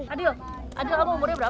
adil adil kamu umurnya berapa